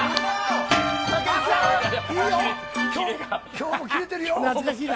今日もきれてるよ。